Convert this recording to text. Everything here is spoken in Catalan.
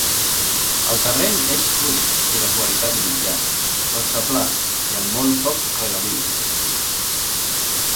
El terreny és fluix i de qualitat mitjana, força pla, i amb molt poc regadiu.